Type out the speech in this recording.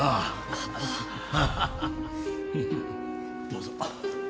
どうぞ。